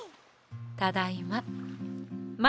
ただいま。